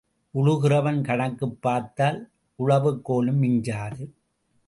உழுகிறவன் கணக்குப் பார்த்தால் உழவுக் கோலும் மிஞ்சாது.